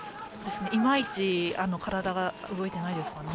いまいち体が動いていないですね。